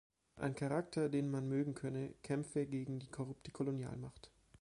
Ein Charakter, den man mögen könne, kämpfe gegen die korrupte Kolonialmacht.